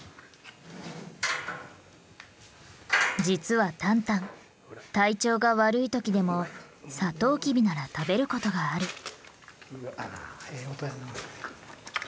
実はタンタン体調が悪い時でもサトウキビなら食べることがある。